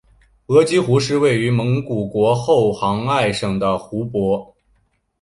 额吉湖是位于蒙古国后杭爱省的湖泊。